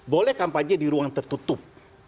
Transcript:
boleh kampanye di ruang tertutup